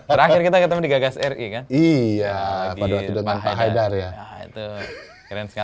terakhir kita ketemu di gagas ri kan